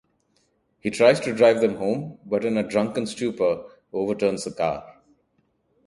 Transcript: He tries to drive them home, but in a drunken stupor overturns the car.